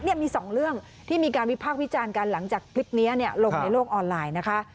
มีสองเรื่องที่มีการวิพากษ์วิจารณ์กันหลังจากคลิปนี้ลงในโลกออนไลน์นะคะ